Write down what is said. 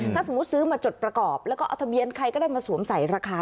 ถ้าสมมุติซื้อมาจดประกอบแล้วก็เอาทะเบียนใครก็ได้มาสวมใส่ราคา